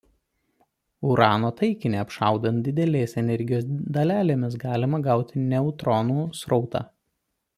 Urano taikinį apšaudant didelės energijos dalelėmis galima gauti neutronų srautą.